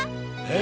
え？